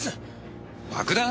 爆弾！？